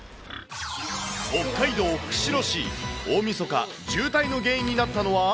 北海道釧路市、大みそか、渋滞の原因になったのは？